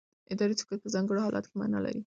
اداري سکوت په ځانګړو حالاتو کې معنا لري.